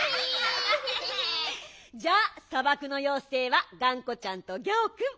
じゃあさばくのようせいはがんこちゃんとギャオくん。